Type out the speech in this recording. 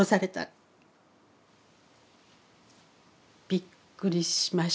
びっくりしました。